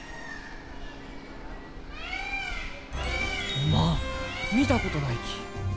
おまん見たことないき。